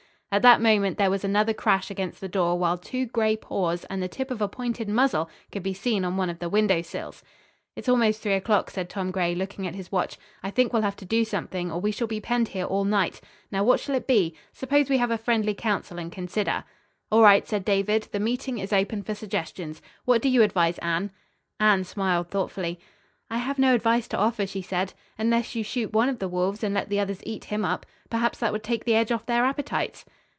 At that moment there was another crash against the door while two gray paws and the tip of a pointed muzzle could be seen on one of the window sills. "It's almost three o'clock," said Tom Gray, looking at his watch. "I think we'll have to do something, or we shall be penned here all night. Now, what shall it be? Suppose we have a friendly council and consider." "All right," said David; "the meeting is open for suggestions. What do you advise, Anne?" Anne smiled thoughtfully. "I have no advice to offer," she said, "unless you shoot one of the wolves and let the others eat him up. Perhaps that would take the edge off their appetites."